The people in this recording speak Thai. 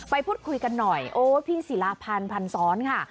พูดคุยกันหน่อยโอ้พี่ศิลาพันธ์พันซ้อนค่ะ